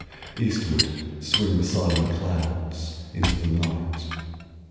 Eastward swing the silent clouds Into the night.